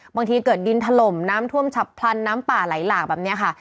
บางทีเกิดดินถล่มน้ำท่วมฉับพลันน้ำป่าไหลหลากแบบนี้ค่ะ